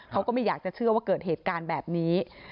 เขาก็ไม่อยากจะเชื่อว่าเกิดเหตุการณ์แบบนี้